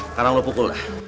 sekarang lu pukul lah